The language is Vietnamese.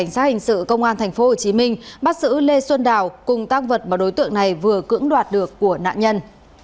dự công an tp hcm bắt giữ lê xuân đào cùng tác vật mà đối tượng này vừa cưỡng đoạt được của nạn nhân